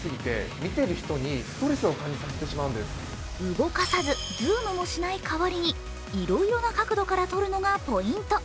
動かさずズームもしない代わりにいろいろな角度から撮るのがポイント。